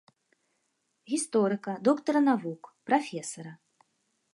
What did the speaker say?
Гісторыка, доктара навук, прафесара.